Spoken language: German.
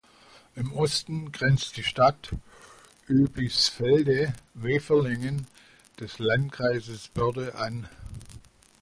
Im Osten grenzt die Stadt Oebisfelde-Weferlingen des Landkreises Börde an.